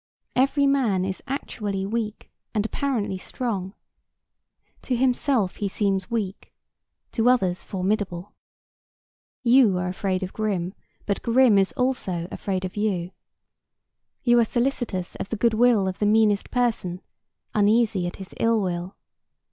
Every man is actually weak and apparently strong. To himself he seems weak; to others, formidable. You are afraid of Grim; but Grim also is afraid of you. You are solicitous of the good will of the meanest person, uneasy at his ill will.